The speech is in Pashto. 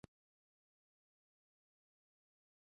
خپل تاریخي رسالت د ساتني او پالني په چوکاټ کي ښه روزلی دی